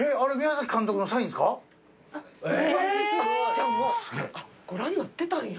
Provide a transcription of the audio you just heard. じゃあもうご覧になってたんや。